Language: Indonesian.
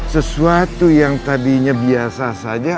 sesuatu yang tadinya biasa saja